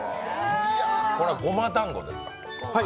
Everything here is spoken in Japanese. これは、ごまだんごですか？